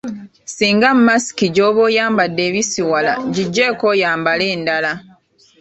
Singa masiki gy’oba oyambadde ebisiwala, giggyeeko oyambale endala.